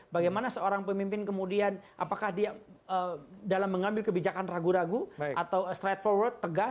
bagaimana seorang pemimpin kemudian apakah dia dalam mengambil kebijakan ragu ragu atau straight forward tegas